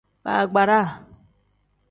Baagbara.